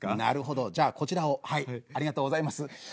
なるほどじゃあこちらをはいありがとうございます。